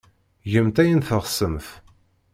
Gemt ayen teɣsemt.